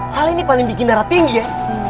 hal ini paling bikin darah tinggi ya